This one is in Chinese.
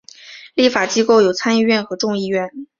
立法机构有参议院和众议院。